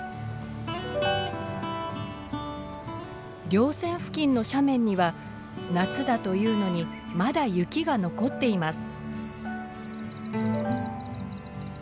稜線付近の斜面には夏だというのにまだ雪が残っています。